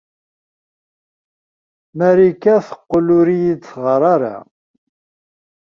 Marika teqqel ur iyi-d-teɣɣar ara.